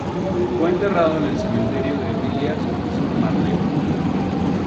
Fue enterrado en el Cementerio de Villiers-sur-Marne.